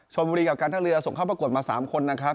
ชนบุรีกับการท่าเรือส่งเข้าประกวดมา๓คนนะครับ